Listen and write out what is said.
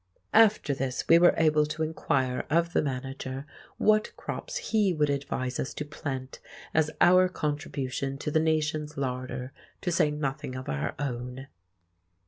After this we were able to inquire of the manager what crops he would advise us to plant as our contribution to the nation's larder, to say nothing of our own.